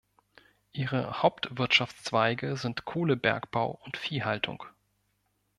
Ihre Hauptwirtschaftszweige sind Kohlebergbau und Viehhaltung.